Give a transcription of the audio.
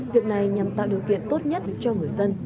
việc này nhằm tạo điều kiện tốt nhất cho người dân